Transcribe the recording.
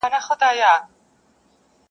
د ورځي سور وي رسوایي پکښي.